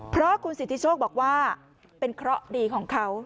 เพราะคุณสิทธิโชคบอกว่าเป็นเคราะห์ดีของเขา